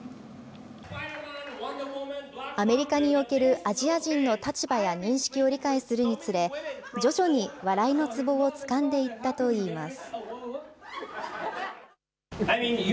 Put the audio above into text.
アメリカにおけるアジア人の立場や認識を理解するにつれ、徐々に笑いのツボをつかんでいったといいます。